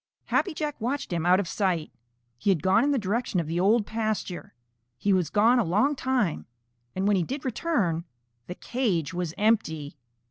Happy Jack watched him out of sight. He had gone in the direction of the Old Pasture. He was gone a long time, and when he did return, the cage was empty.